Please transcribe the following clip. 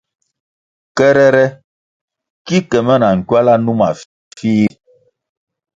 Kerere ki ke me na nkywala numa fih ri.